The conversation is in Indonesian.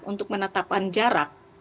untuk menetapkan jarak